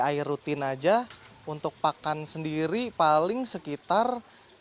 air rutin aja untuk pakan sendiri paling sekitar eh rp tiga puluh lah untuk satu bulannya